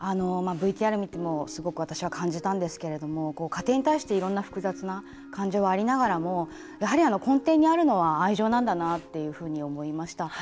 ＶＴＲ見てもすごく私は感じたんですけれども家庭に対して、いろんな複雑な感情はありながらもやはり根底にあるのは愛情なんだなっていうふうに思いました。